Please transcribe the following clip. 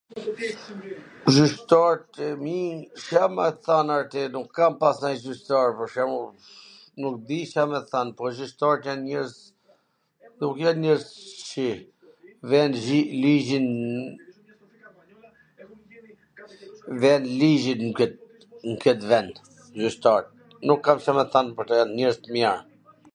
Kurse gjyqtart e mi s jan ata atje, nuk kam pas nonj gjyqtar pwr shembull, nuk di Ca me t than, po gjyqtarwt jan njerwz ... nuk jan njerwz t kwqinj, ven ligjin ... ven ligjin nw ket nw ket vend gjyqtarwt, nuk kam Ca me than pwr ta, jan njerwz t mir,